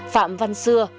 phạm văn xưa